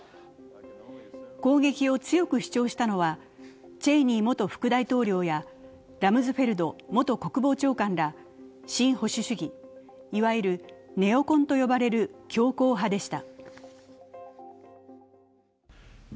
攻撃を強く主張したのは、チェイニー元副大統領やラムズフェルド元国防長官ら新保守主義、いわゆるネオコンと呼ばれる強硬派でした。